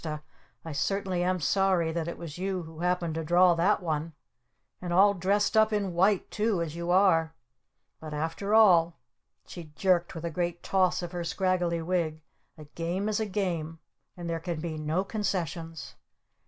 "I certainly am sorry that it was you who happened to draw that one! And all dressed up in white too as you are! But after all " she jerked with a great toss of her scraggly wig, "a Game is a Game! And there can be no concessions!"